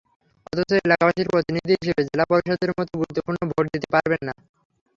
অথচ এলাকাবাসীর প্রতিনিধি হিসেবে জেলা পরিষদের মতো গুরুত্বপূর্ণ ভোট দিতে পারবেন না।